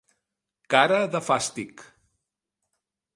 Cara de fàstic.